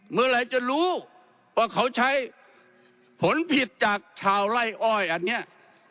เมื่อไหร่จะรู้ว่าเขาใช้ผลผิดจากชาวไล่อ้อยอันนี้